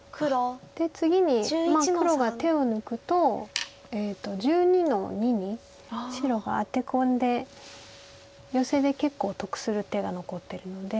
で次に黒が手を抜くと１２の二に白がアテ込んでヨセで結構得する手が残ってるので。